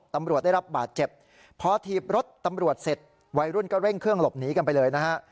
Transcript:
ตำรวจได้รับบาดเจ็บพอถีบรถตำรวจเสร็จวัยรุ่นก็เร่งเครื่องหลบหนีกันไปเลยนะฮะ